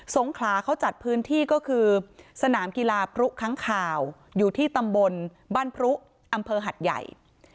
งขลาเขาจัดพื้นที่ก็คือสนามกีฬาพรุค้างข่าวอยู่ที่ตำบลบ้านพรุอำเภอหัดใหญ่